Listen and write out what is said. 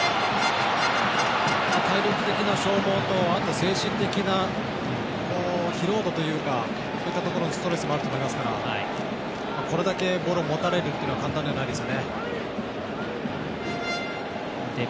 体力的な消耗と精神的な疲労度というところのそういったところのストレスもあると思いますからこれだけボールを持たれるというのは簡単ではないですね。